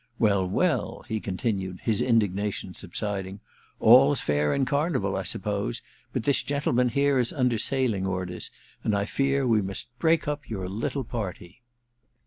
Well, well,' he continued, his indignation sub siding, * all's fair in Carnival, I suppose, but this gentleman here is under sailing orders, and I rear we must break up your litde party.'